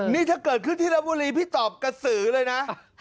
นี่ถ้าเกิดขึ้นที่ลบบุรีพี่ตอบกระสือเลยนะ